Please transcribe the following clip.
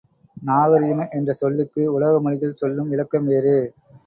நாகரீகம் என்ற சொல்லுக்கு உலக மொழிகள் சொல்லும் விளக்கம் வேறு.